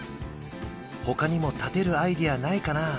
他にも立てるアイデアないかな？